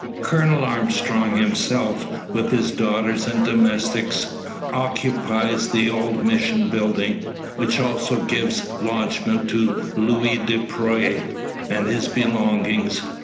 Colonel Armstrong himself, with his daughters and domestics, occupies the old mission building, which also gives lodgment to Luis Dupre and his belongings.